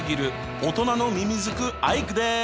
大人のミミズクアイクです！